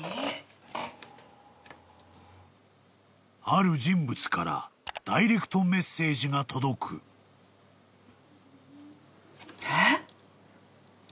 ［ある人物からダイレクトメッセージが届く］えっ？